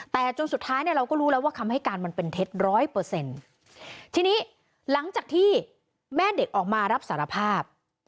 แต่จนสุดท้ายเนี่ยเราก็รู้แล้วว่าคำให้การมันเป็นเท็จร้อยเปอร์เซ็นต์ทีนี้หลังจากที่แม่เด็กออกมารับสารภาพ